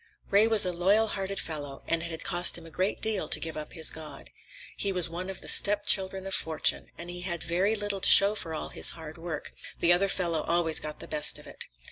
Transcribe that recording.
Ray was a loyal hearted fellow, and it had cost him a great deal to give up his God. He was one of the stepchildren of Fortune, and he had very little to show for all his hard work; the other fellow always got the best of it.